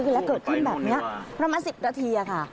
เวลาเกิดขึ้นแบบนี้ประมาณ๑๐นาทีค่ะ